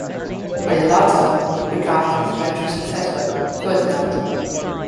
By the latter, he begat his eventual successor, Ferdinand.